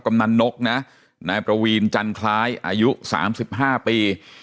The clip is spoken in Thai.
กำนันนกนะนายประวีนจันทรายอายุสามสิบห้าปี